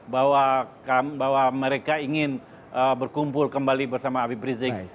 bahwa mereka ingin berkumpul kembali bersama habib rizik